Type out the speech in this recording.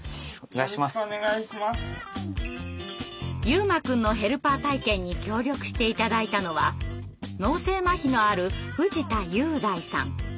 悠真くんのヘルパー体験に協力して頂いたのは脳性まひのある藤田裕大さん。